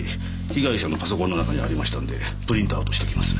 被害者のパソコンの中にありましたのでプリントアウトしときます。